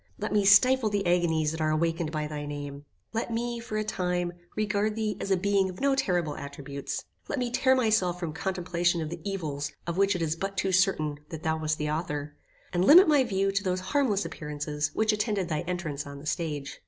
Let me stifle the agonies that are awakened by thy name. Let me, for a time, regard thee as a being of no terrible attributes. Let me tear myself from contemplation of the evils of which it is but too certain that thou wast the author, and limit my view to those harmless appearances which attended thy entrance on the stage.